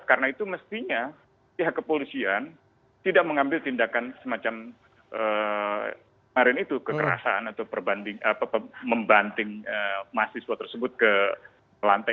karena itu mestinya pihak kepolisian tidak mengambil tindakan semacam kekerasan atau membanding mahasiswa tersebut ke lantai